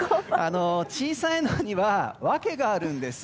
小さいのには訳があるんです。